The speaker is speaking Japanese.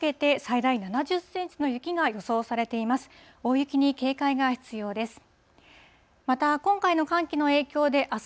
大雪に警戒が必要です。